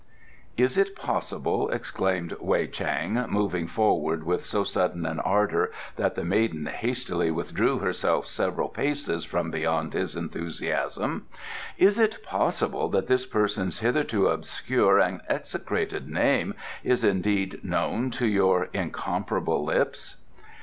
"Is it possible," exclaimed Wei Chang, moving forward with so sudden an ardour that the maiden hastily withdrew herself several paces from beyond his enthusiasm, "is it possible that this person's hitherto obscure and execrated name is indeed known to your incomparable lips?"